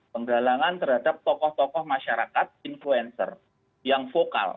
penggalangan terhadap tokoh tokoh masyarakat influencer yang vokal